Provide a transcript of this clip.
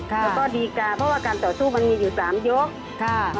แล้วก็ดีการเพราะว่าการต่อสู้มันมีอยู่๓ยก